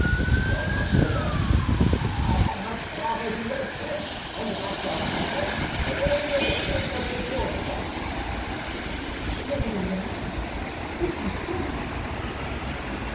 "So much the worse; I had much rather you were French and myself also; they would hate us both less." "Nevertheless, you consent?"